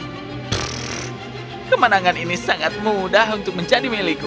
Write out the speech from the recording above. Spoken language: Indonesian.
pfff kemanangan ini sangat mudah untuk menjadi milikku